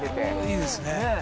いいですねぇ。